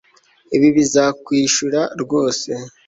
Ibi bizakwishura rwose